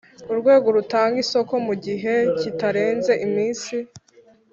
Urwego rutanga isoko mu gihe kitarenze iminsi